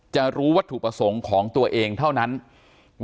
การแก้เคล็ดบางอย่างแค่นั้นเอง